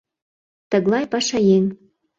Тыглай пашаеҥ.